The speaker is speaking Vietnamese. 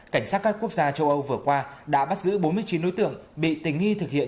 cảnh sát các quốc gia châu âu vừa qua đã bắt giữ bốn mươi chín đối tượng bị tình nghi thực hiện